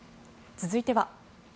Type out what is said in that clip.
続いては。